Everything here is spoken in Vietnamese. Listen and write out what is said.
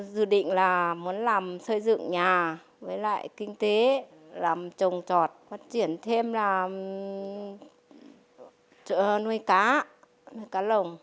dự định là muốn làm xây dựng nhà với lại kinh tế làm trồng trọt phát triển thêm là nuôi cá nuôi cá lồng